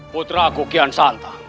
putraku kian santan